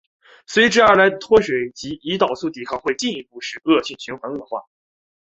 随之而来的脱水及胰岛素抵抗会进一步使恶性循环恶化。